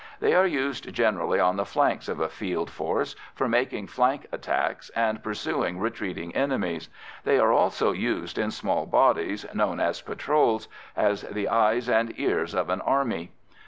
They are used, generally on the flanks of a field force, for making flank attacks and pursuing retreating enemies; they are also used in small bodies, known as patrols, as the eyes and ears of an army.